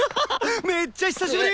めっちゃ久しぶり！